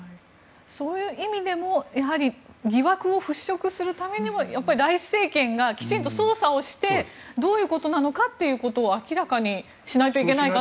そういう意味でも疑惑を払しょくするためにもやっぱりライシ政権がきちんと捜査をしてどういうことなのかを明らかにしないといけないと。